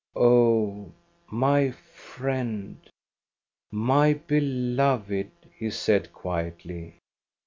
"Oh, my friend, my beloved!" he said quietly.